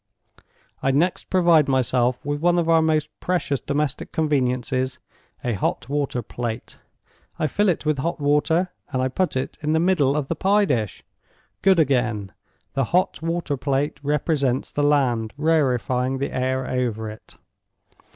I next provide myself with one of our most precious domestic conveniences, a hot water plate; I fill it with hot water and I put it in the middle of the pie dish. Good again! the hot water plate represents the land rarefying the air over it.